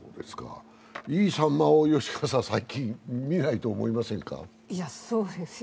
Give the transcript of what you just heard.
いいサンマを吉川さん、最近見ないと思いませんか？